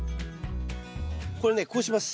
これねこうします。